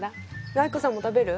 藍子さんも食べる？